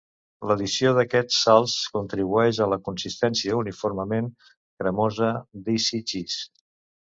L'addició d'aquestes salts contribueix a la consistència uniformement cremosa d'Easy Cheese.